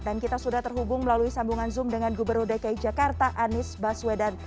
dan kita sudah terhubung melalui sambungan zoom dengan gubernur dki jakarta anies baswedan